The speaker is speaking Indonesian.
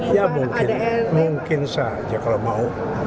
ya mungkin mungkin saja kalau mau